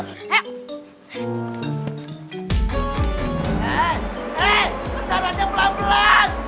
hei hei berangkat aja pelan pelan